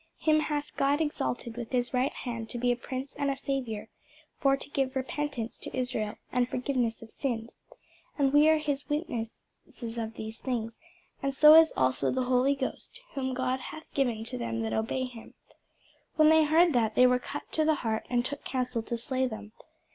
Him hath God exalted with his right hand to be a Prince and a Saviour, for to give repentance to Israel, and forgiveness of sins. And we are his witnesses of these things; and so is also the Holy Ghost, whom God hath given to them that obey him. When they heard that, they were cut to the heart, and took counsel to slay them.